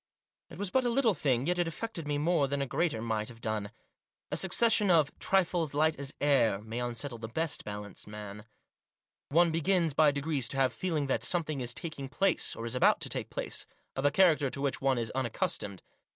It was but a little thing, yet it affected me more than a greater might have done. A succession of " trifles light as air " may unsettle the best balanced mind. One begins, by degrees, to have a feeling that something is taking place, or is about to take place, of a character to which one is unaccustomed.